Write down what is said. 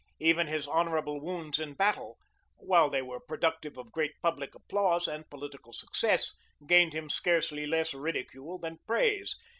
Even his honorable wounds in battle, while they were productive of great public applause and political success, gained him scarcely less ridicule than praise.